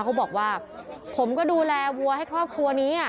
เขาบอกว่าผมก็ดูแลวัวให้ครอบครัวนี้